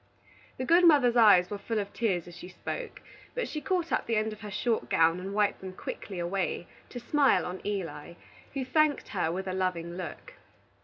The good mother's eyes were full of tears as she spoke, but she caught up the end of her short gown and wiped them quickly away to smile on Eli, who thanked her with a loving look.